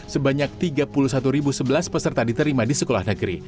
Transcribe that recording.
sebanyak tiga puluh satu sebelas peserta diterima di sekolah negeri